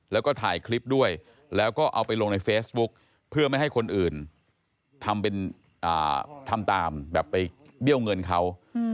แล้วก็ถ่ายคลิปด้วยแล้วก็เอาไปลงในเฟซบุ๊กเพื่อไม่ให้คนอื่นทำตามแบบไปเบี้ยวเงินเขา